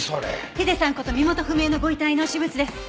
ヒデさんこと身元不明のご遺体の私物です。